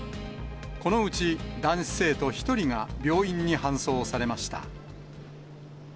このうち男子生徒１人が病院に搬送されました。